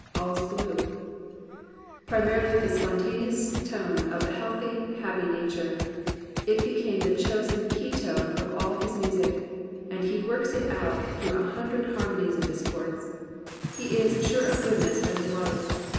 All's blue " primarily the spontaneous tone of a healthy, happy nature, it became the chosen key note of all his music, and he works it out through a hundred har monies and discords. He is "sure of goodness as of life."